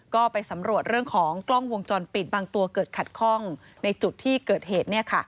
ก็ไปสำรวจเรื่องของกล้องวงจรปิดบางตัวเกิดขัดข้องในจุดที่เกิดเหตุ